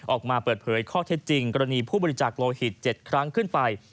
ออกมาเปิดเผยข้อเท็จจริงกรณีผู้บริจาคโลหิต๗ครั้งขึ้นไป